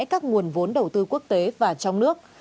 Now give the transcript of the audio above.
các nguồn vốn đầu tư quốc tế và trong nước